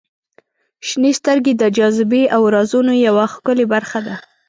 • شنې سترګې د جاذبې او رازونو یوه ښکلې برخه ده.